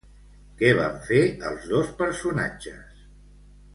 Què van fer els dos personatges?